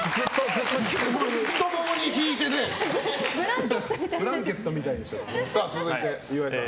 太ももに敷いてブランケットみたいにしてね。